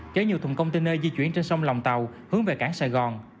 chở nhiều thùng container di chuyển trên sông lòng tàu hướng về cảng sài gòn